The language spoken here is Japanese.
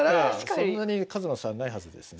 そんなに数の差はないはずですね。